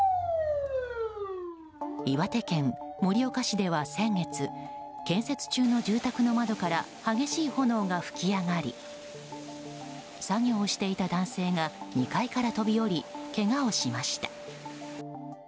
岩手県盛岡市では先月建設中の住宅の窓から激しい炎が噴き上がり作業をしていた男性が２階から飛び降りけがをしました。